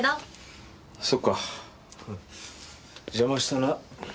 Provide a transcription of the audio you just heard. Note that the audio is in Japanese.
そうか邪魔したな。